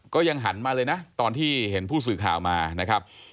ก็ยังหันมาเลยนะตอนที่เห็นผู้สื่อข่าวมานะครับ